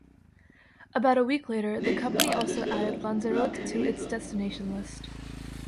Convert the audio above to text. About a week later, the company also added Lanzarote to its destination list.